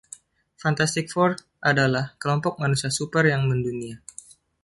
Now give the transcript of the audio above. Fantastic Four adalah kelompok manusia super yang mendunia.